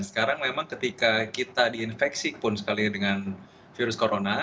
sekarang memang ketika kita diinfeksi pun sekali dengan virus corona